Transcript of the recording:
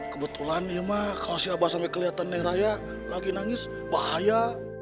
kebetulan ya emak kalo si abah sampe keliatan nih raya lagi nangis bahaya